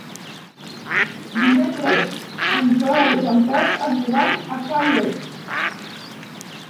Dimecres en Joel i en Pep aniran a Calles.